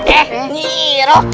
eh nyi iroh